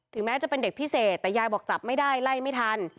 แม้จะเป็นเด็กพิเศษแต่ยายบอกจับไม่ได้ไล่ไม่ทัน